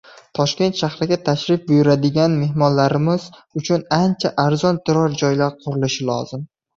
Toshkent shahriga tashrif buyuradigan mehmonlarimiz uchun ancha arzon turar joylar qurilishi lozim.